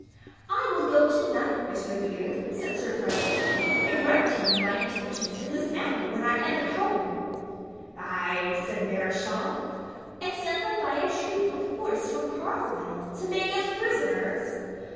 "I will go to night, Mr. Vere," said Sir Frederick, "and write you my intentions in this matter when I am at home." "Ay," said Mareschal, "and send them by a troop of horse from Carlisle to make us prisoners?